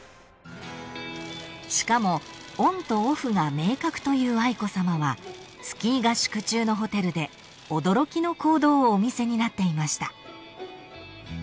［しかもオンとオフが明確という愛子さまはスキー合宿中のホテルで驚きの行動をお見せになっていました］